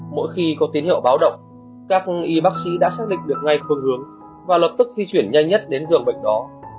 mỗi khi có tín hiệu báo động các y bác sĩ đã xác định được ngay phương hướng và lập tức di chuyển nhanh nhất đến giường bệnh đó